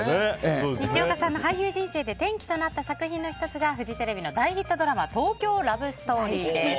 西岡さんの俳優人生で転機となった作品の１つがフジテレビの大ヒットドラマ「東京ラブストーリー」です。